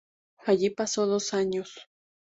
Allí pasó dos años.